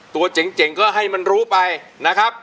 ตัวเจ๋งก็ให้รู้ไปนะครับ